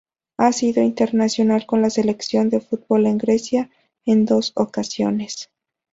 Ha sido internacional con la selección de fútbol de Grecia en dos ocasiones.